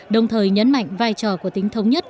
đồng thời nhấn mạnh vai trò của tính thống nhất